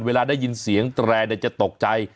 เวลาได้ยินเสียงแตรจะตกใจ